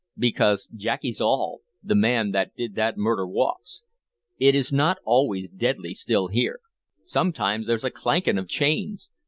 Because, Jackies all, the man that did that murder walks! It is not always deadly still here; sometimes there 's a clanking of chains!